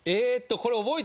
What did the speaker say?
これ。